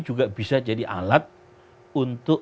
juga bisa jadi alat untuk